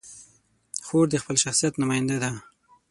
خور د خپل شخصیت نماینده ده.